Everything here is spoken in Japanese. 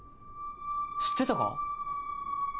知ってたか？